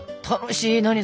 楽しい。